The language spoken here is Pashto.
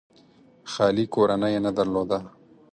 خالي کورنۍ نه درلوده.